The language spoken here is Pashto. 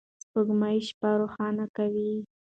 سپوږمۍ شپه روښانه کوي.